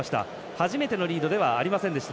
初めてのリードではありませんでした。